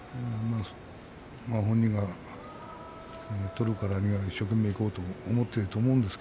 本人が取るからには一生懸命いこうと思っているとは思います。